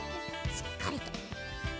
しっかりと。